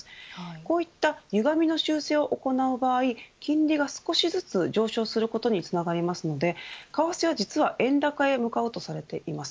こういったゆがみの修正を行う場合金利が少しずつ上昇することにつながりますので為替は実は円高へ向かうとされています。